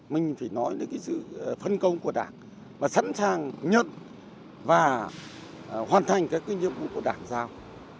mình phải nói đến sự phân công của đảng sẵn sàng nhận và hoàn thành những nhiệm vụ của đảng giao